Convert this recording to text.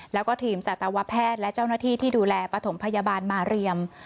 แล้วก็ทีมสัตวแพทย์และเจ้าหน้าที่ที่ดูแลปฐมพยาบาลมาเรียม